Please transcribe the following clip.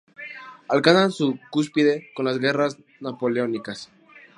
Alcanzan su cúspide con las Guerras Napoleónicas.